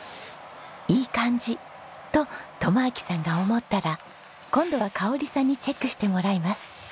「いい感じ」と友晃さんが思ったら今度は香織さんにチェックしてもらいます。